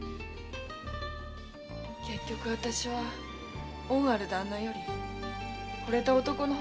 結局あたしは恩ある旦那より惚れた男の方を選んだんだ。